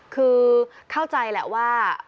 คือเข้าใจแหละว่า